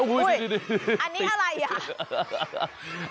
อันนี้อะไรอ่ะ